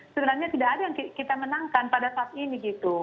sebenarnya tidak ada yang kita menangkan pada saat ini gitu